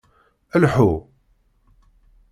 Lḥu.